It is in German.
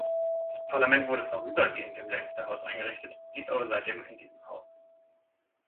Das Parlament wurde vorübergehend im Leinster House eingerichtet, blieb aber seitdem in diesem Haus.